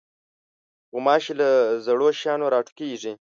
غوماشې له زړو شیانو راټوکېږي.